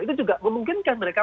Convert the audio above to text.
itu juga memungkinkan mereka